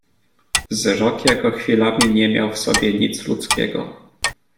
"Wzrok jego chwilami nie miał w sobie nic ludzkiego."